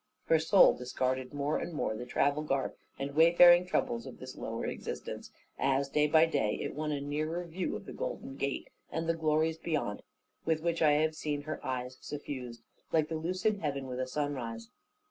Her soul discarded more and more the travel garb and wayfaring troubles of this lower existence, as, day by day, it won a nearer view of the golden gate, and the glories beyond; with which I have seen her eyes suffused, like the lucid heaven with sunrise.